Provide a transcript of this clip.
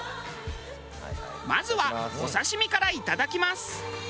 まずはお刺身からいただきます。